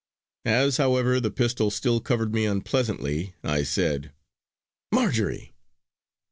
As, however, the pistol still covered me unpleasantly, I said: "Marjory!"